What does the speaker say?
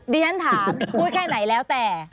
เรียนถามพูดแค่ไหนแล้วแต่